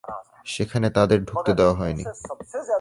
সেখানে তাঁদের ঢুকতে দেওয়া হয়নি।